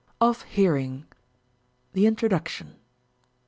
OF HEARING. The Introduction.